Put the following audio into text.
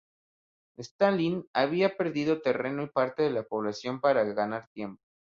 Stalin había perdido terreno y parte de la población para ganar tiempo.